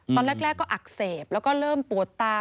ตอนแรกก็อักเสบแล้วก็เริ่มปวดตา